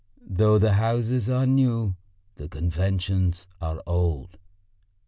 "Though the houses are new, the conventions are old."